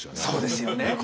そうですよね。